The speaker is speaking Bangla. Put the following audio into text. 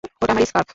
ওটা আমার স্কার্ফ!